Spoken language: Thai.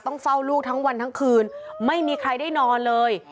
ต้องเฝ้าลูกทั้งวันทั้งคืนไม่มีใครได้นอนเลย